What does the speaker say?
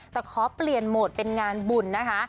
แต่ขอเปลี่ยนโหมดเป็นงานบุญนะคะ